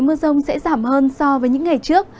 mưa rông sẽ giảm hơn so với những ngày trước